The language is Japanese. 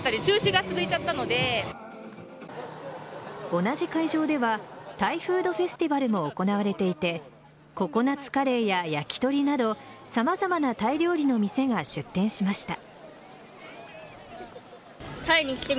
同じ会場ではタイフードフェスティバルも行われていてココナッツカレーや焼き鳥など様々なタイ料理の店が出店しました。